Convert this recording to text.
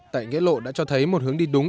tại nghĩa lộ đã cho thấy một hướng đi đúng